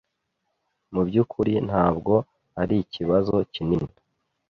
Mubyukuri ntabwo arikibazo kinini.